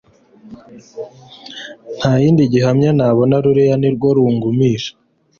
ntayindi gihamya nabona ruriya nirwo rungumisha